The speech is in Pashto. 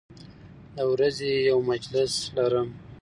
د ورځې یو مجلس لرم